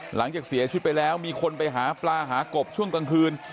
หลังจากเสียชีวิตไปแล้วมีคนไปหาปลาหากบช่วงกลางคืน